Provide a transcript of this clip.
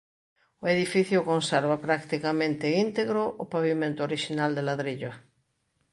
O edificio conserva practicamente integro o pavimento orixinal de ladrillo.